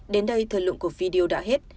đến đây thời lượng của video đã hết